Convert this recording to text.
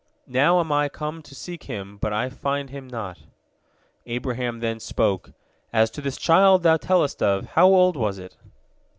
Now am I come to seek him, but I find him not." Abraham then spoke, "As to this child thou tellest of, how old was it?"